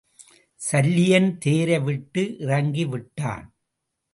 சல்லியன் தேரை விட்டு இறங்கி விட்டான்.